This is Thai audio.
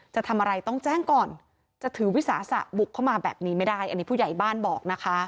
จะทำอะไรต้องแจ้งก่อนจะถือวิสาสะบุกเข้ามาแบบนี้ไม่ได้อันนี้ผู้ใหญ่บ้านบอกนะคะ